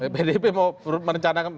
pdp mau merencanakan